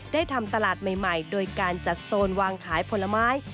ทำตลาดใหม่โดยการจัดโซนวางขายผลไม้